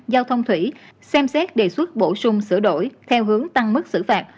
giao thông thủy xem xét đề xuất bổ sung sửa đổi theo hướng tăng mức xử phạt